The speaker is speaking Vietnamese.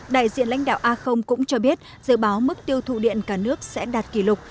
đại diện lãnh đạo a cũng cho biết dự báo mức tiêu thụ điện cả nước sẽ đạt kỷ lục